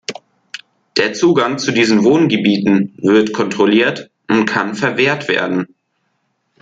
Der Zugang zu diesen Wohngebieten wird kontrolliert und kann verwehrt werden.